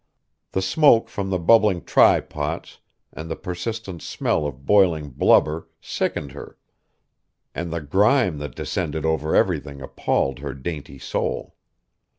The smoke from the bubbling try pots, and the persistent smell of boiling blubber sickened her; and the grime that descended over everything appalled her dainty soul.